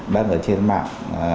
đang ở trên mạng